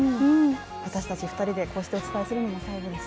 私たち２人でこうしてお伝えするのも最後です。